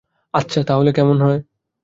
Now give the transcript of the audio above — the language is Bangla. আচ্ছা, তাহলে কেমন হয়?